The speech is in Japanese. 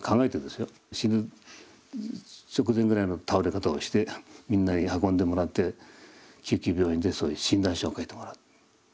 死ぬ直前ぐらいの倒れ方をしてみんなに運んでもらって救急病院でそういう診断書を書いてもらう。